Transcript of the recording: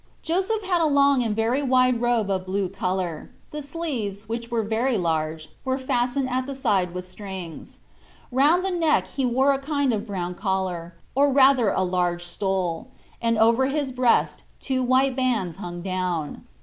Joseph had a long and very wide robe of a blue colour ; the sleeves, which were very large, were fastened at the side with strings. Round the neck he wore a kind of brown collar, or rather a large stole, and over his breast two white bands hung down.